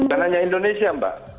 bukan hanya indonesia mbak